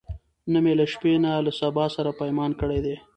نه می له شپې نه له سبا سره پیمان کړی دی